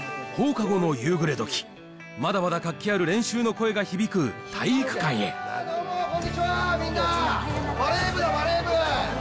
放課後の夕暮れ時、まだまだ活気ある練習の声が響く体育館へどうも、こんにちは、みんな、バレー部だ、バレー部。